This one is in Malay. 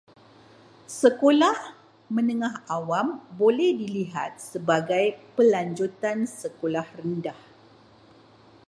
Sekolah menengah awam boleh dilihat sebagai pelanjutan sekolah rendah.